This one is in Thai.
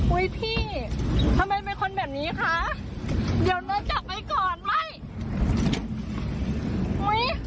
อุ๊ยพี่ทำไมเป็นคนแบบนี้คะเดี๋ยวนั้นจับไว้ก่อนไหม